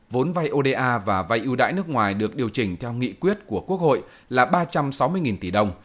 vốn vay oda và vay ưu đãi nước ngoài được điều chỉnh theo nghị quyết của quốc hội là ba trăm sáu mươi tỷ đồng